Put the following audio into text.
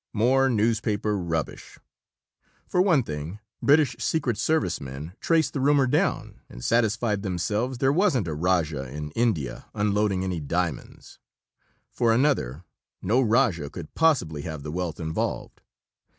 "More newspaper rubbish! For one thing, British secret service men traced the rumor down and satisfied themselves there wasn't a rajah in India unloading any diamonds. For another; no rajah could possibly have the wealth involved.